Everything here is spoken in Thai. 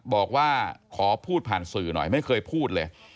บอกว่าขอพูดผ่านสื่อหน่อยไม่เคยพูดเลย